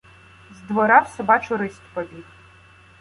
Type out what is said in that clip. З двора в собачу ристь побіг.